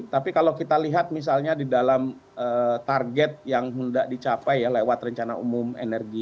tapi kalau kita lihat misalnya di dalam target yang tidak dicapai ya lewat rencana umum energi